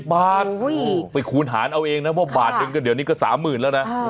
๒๐บาทไปคูณหารเอาเองนะเพราะว่าบาทเดี๋ยวนี้ก็๓๐๐๐๐บาทแล้วนะโอ้โฮ